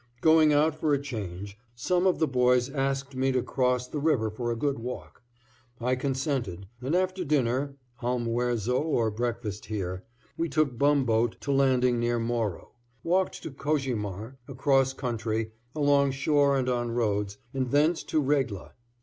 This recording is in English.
Going out for a change, some of the boys asked me to cross the river for a good walk. I consented, and after dinner (almuerzo or breakfast here), we took bum boat to landing near Morro, walked to Cojimar, across country, along shore and on roads, and thence to Regla.